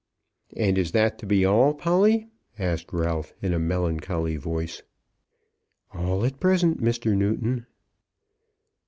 "And is that to be all, Polly?" asked Ralph in a melancholy voice. "All at present, Mr. Newton."